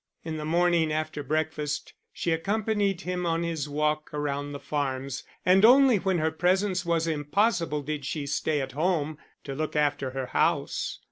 In the morning after breakfast she accompanied him on his walk around the farms, and only when her presence was impossible did she stay at home to look after her house.